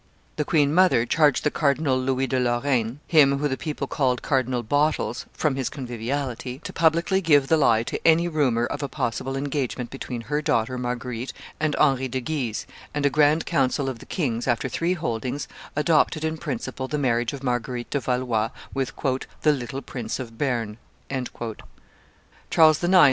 The queen mother charged the Cardinal Louis de Lorraine, him whom the people called Cardinal Bottles (from his conviviality), to publicly give the lie to any rumor of a possible engagement between her daughter Marguerite and Henry de Guise; and a grand council of the kings, after three holdings, adopted in principle the marriage of Marguerite de Valois with "the little Prince of Bearn." Charles IX.